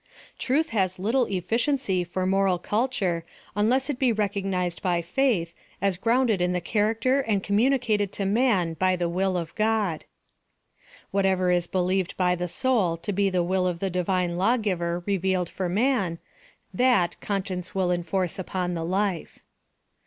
Truth has little efficiency for moral culture unless it be recognized by faith, as grounded in the character and communicateu to man by the will of God, Whatever is believed by the soul to be the will of the Divine Lawgiver revealed for man, that con science will enforce upon the life.